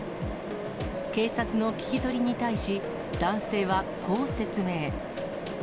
警察の聞き取りに対し、男性はこう説明。